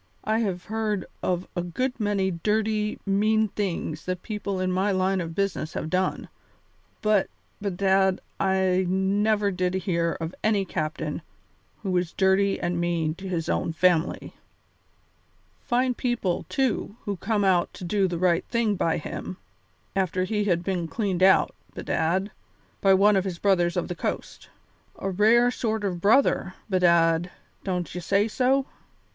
I have heard of a good many dirty, mean things that people in my line of business have done, but, bedad, I never did hear of any captain who was dirty and mean to his own family. Fine people, too, who came out to do the right thing by him, after he had been cleaned out, bedad, by one of his 'Brothers of the Coast.' A rare sort of brother, bedad, don't you say so?"